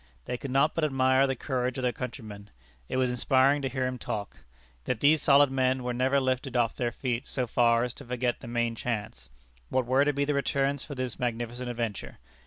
They could not but admire the courage of their countryman. It was inspiring to hear him talk. Yet these solid men were never lifted off their feet so far as to forget the main chance. What were to be the returns for this magnificent adventure?